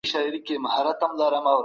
هغه وويل چي قانون تعقيب کړئ.